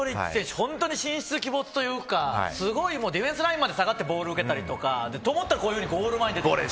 本当に神出鬼没というかすごいディフェンスラインまで下がってボールを受けたりとかと思ったらゴール前にいたりとか。